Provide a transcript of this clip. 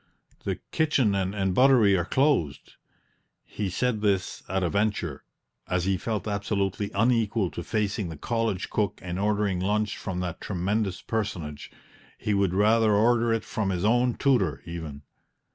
The kitchen and buttery are closed" (he said this at a venture, as he felt absolutely unequal to facing the college cook and ordering lunch from that tremendous personage; he would rather order it from his own tutor, even).